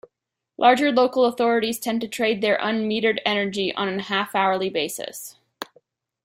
Larger local authorities tend to trade their unmetered energy on a half-hourly basis.